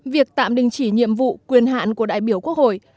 việc tạm đình chỉ nhiệm vụ quyền hạn của đại biểu quốc hội